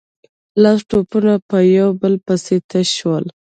لس توپونه په يو بل پسې تش شول.